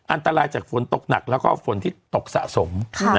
อันตรายจากฝนตกหนักและที่ฝนตกสะสม